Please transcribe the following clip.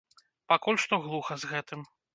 Пакуль што глуха з гэтым.